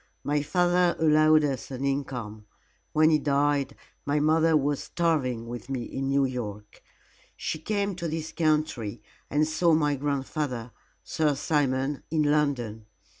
My father allowed us an income. When he died, my mother was starving with me in New York. She came to this country and saw my grandfather, Sir Simon, in London.